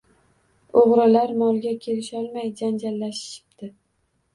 O‘g‘rilar molga kelisholmay janjallashishipti.